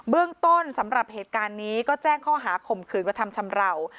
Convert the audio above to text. เรื่องต้นสำหรับเหตุการณ์นี้ก็แจ้งข้อหาข่มขืนกระทำชำราว